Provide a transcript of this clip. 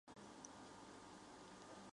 镇边城的历史年代为明代。